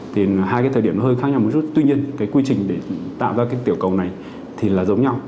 thì hai cái thời điểm nó hơi khác nhau một chút tuy nhiên cái quy trình để tạo ra cái tiểu cầu này thì là giống nhau